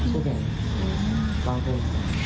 พวกแห่งมีคุณ